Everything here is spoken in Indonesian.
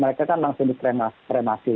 mereka kan langsung dikremasi